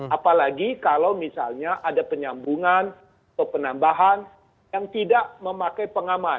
apalagi kalau misalnya ada penyambungan atau penambahan yang tidak memakai pengaman